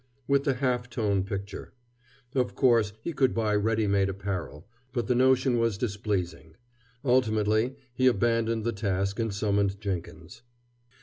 with the half tone picture. Of course, he could buy ready made apparel, but the notion was displeasing; ultimately, he abandoned the task and summoned Jenkins.